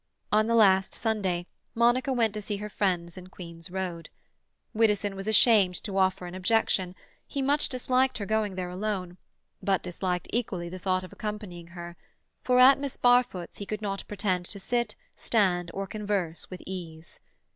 On the last Sunday Monica went to see her friends in Queen's Road. Widdowson was ashamed to offer an objection; he much disliked her going there alone, but disliked equally the thought of accompanying her, for at Miss Barfoot's he could not pretend to sit, stand, or converse with ease.